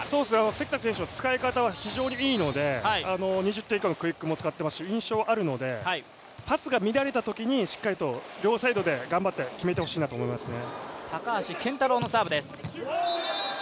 セッターの選手、使い方は非常にいいので２０点以下のクイックも使ってますので印象はあるのでパスが乱れたときにしっかりと両サイドで頑張って決めてほしいなと思いますね。